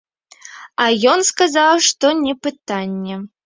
А ён сказаў, што не пытанне.